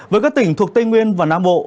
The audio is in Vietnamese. với các tỉnh thuộc tây nguyên và nam bộ